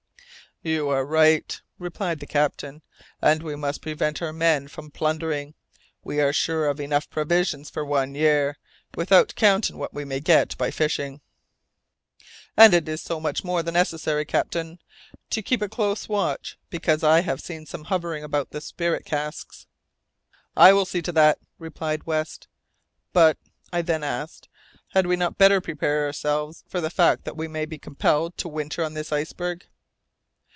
"You are right," replied the captain, "and we must prevent our men from plundering. We are sure of enough provisions for one year, without counting what we may get by fishing." "And it is so much the more necessary, captain, to keep a close watch, because I have seen some hovering about the spirit casks." "I will see to that," replied West. "But," I then asked, "had we not better prepare ourselves for the fact that we may be compelled to winter on this iceberg."